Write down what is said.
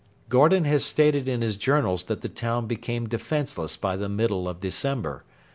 Gordon has stated in his Journals that the town became defenceless by the middle of December.